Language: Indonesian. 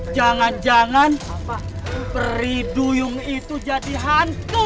jangan jangan peri duyung itu jadi hantu